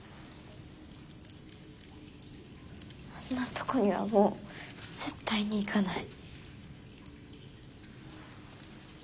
あんなとこにはもう絶対に行かない。